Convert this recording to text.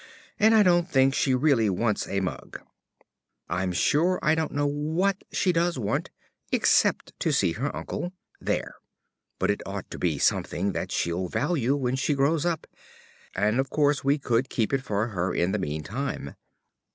And I don't think she really wants a mug. I'm sure I don't know what she does want, except to see her uncle (There!) but it ought to be something that she'll value when she grows up. And of course we could keep it for her in the meantime.